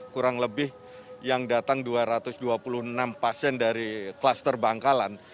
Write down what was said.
kurang lebih yang datang dua ratus dua puluh enam pasien dari kluster bangkalan